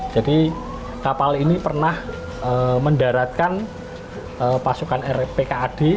jadi kapal ini pernah mendaratkan pasukan pkad